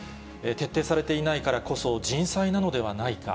徹底されていないからこそ、人災なのではないか。